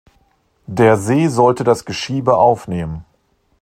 Der See sollte das Geschiebe aufnehmen.